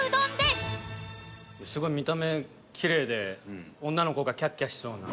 すごい見た目きれいで女の子がキャッキャしそうな。